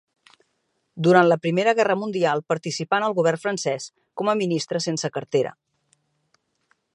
Durant la Primera Guerra Mundial participà en el govern francès com a ministre sense cartera.